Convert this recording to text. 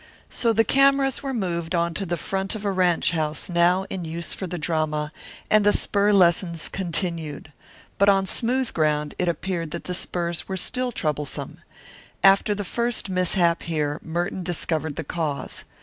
So the cameras were moved on to the front of a ranche house now in use for the drama, and the spur lessons continued. But on smooth ground it appeared that the spurs were still troublesome. After the first mishap here Merton discovered the cause.